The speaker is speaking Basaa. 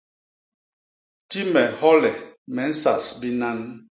Ti me hyole me nsas binan.